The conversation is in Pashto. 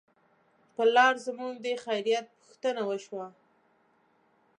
پر لار زموږ د خیریت پوښتنه وشوه.